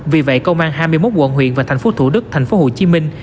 vì vậy công an hai mươi một quận huyện và thành phố thủ đức thành phố hồ chí minh